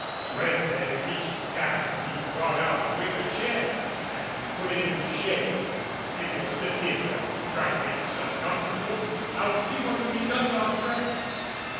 When they reached the cabin he brought out a wicker chair and put it in the shade. "If you'll sit here and try to make yourself comfor table, I'll see what can be done about breakfast."